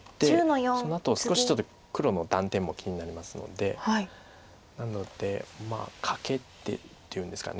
少しちょっと黒の断点も気になりますのでなのでカケてっていうんですか。